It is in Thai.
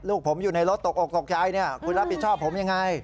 ลูกผมอยู่ในรถตกอกตกใจคุณรับผิดชอบผมยังไง